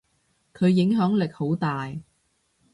佢影響力好大。